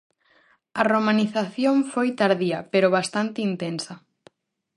A romanización foi tardía, pero bastante intensa.